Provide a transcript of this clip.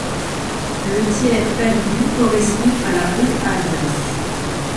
Le tiers perdu correspond à la Haute-Alsace.